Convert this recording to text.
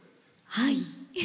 はい。